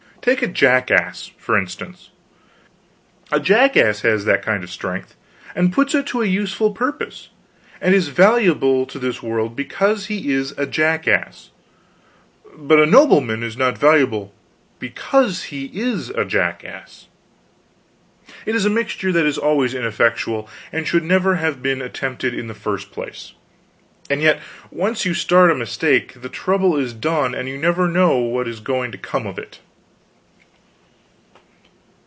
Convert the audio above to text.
Take a jackass, for instance: a jackass has that kind of strength, and puts it to a useful purpose, and is valuable to this world because he is a jackass; but a nobleman is not valuable because he is a jackass. It is a mixture that is always ineffectual, and should never have been attempted in the first place. And yet, once you start a mistake, the trouble is done and you never know what is going to come of it.